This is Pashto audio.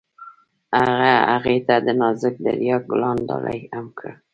هغه هغې ته د نازک دریا ګلان ډالۍ هم کړل.